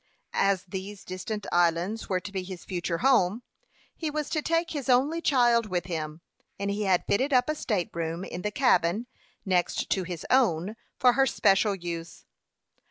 As these distant islands were to be his future home, he was to take his only child with him, and he had fitted up a state room in the cabin, next to his own for her special use.